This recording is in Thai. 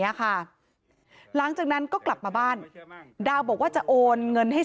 ค่ะหลังจากนั้นก็กลับมาบ้านดาวบอกว่าจะโอนเงินให้